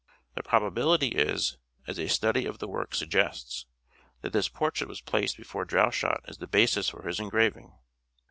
The probability is, as a study of the work suggests, that this portrait was placed before Droeshout as the basis for his engraving.